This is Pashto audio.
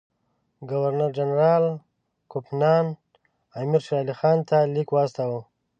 ګورنر جنرال کوفمان امیر شېرعلي خان ته لیک واستاوه.